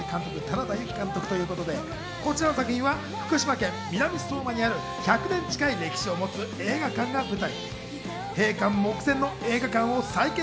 タナダユキ監督ということで、こちらの作品は福島県南相馬にある１００年近い歴史を持つ、映画館の舞台。